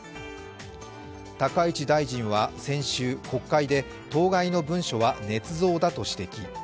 高市大臣は先週、国会で当該の文書はねつ造だと指摘。